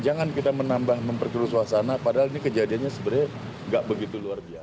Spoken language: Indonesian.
jangan kita menambah memperkeruh suasana padahal ini kejadiannya sebenarnya nggak begitu luar biasa